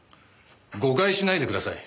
誤解しないでください。